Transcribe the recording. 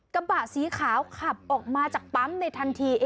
กระบะสีขาวขับออกมาจากปั๊มในทันที